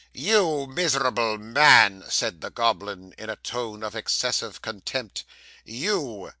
'"You a miserable man!" said the goblin, in a tone of excessive contempt. "You!"